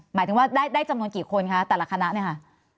หมายถึงว่าได้จำนวนกี่คนคะแต่ละคณะเนี่ยค่ะ